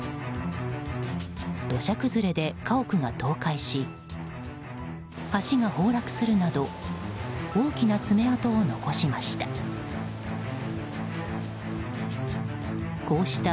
土砂崩れで家屋が倒壊し橋が崩落するなど大きな爪痕を残しました。